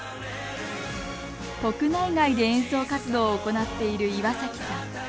国内外で演奏活動を行っている岩崎さん。